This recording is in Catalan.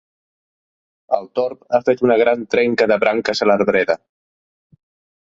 El torb ha fet una gran trenca de branques a l'arbreda.